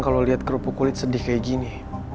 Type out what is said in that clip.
kalo liat kerupuk kulit sedih kayak gini